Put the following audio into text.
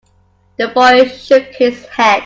The boy shook his head.